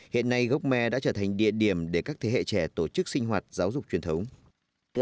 hiện nay gốc me đã trở thành địa điểm để các thế hệ trẻ tổ chức sinh hoạt giáo dục truyền thống